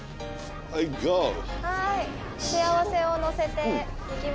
はい！